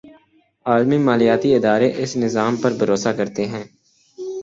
عالمی مالیاتی ادارے اس نظام پر بھروسہ کرتے ہیں۔